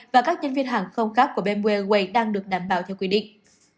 và các nhân viên hàng không khác của bamboo airways đang được đảm bảo theo quy định